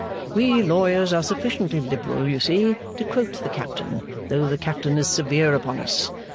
We lawyers are sufficiently liberal, you see, to quote the Captain, though the Captain is severe upon us.